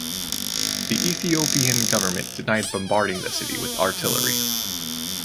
The Ethiopian government denied bombarding the city with artillery.